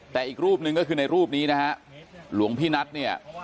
แต่อีกรูปหนึ่งก็คือในรูปนี้นะฮะหลวงพี่นัทเนี่ย